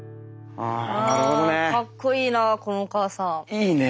いいね。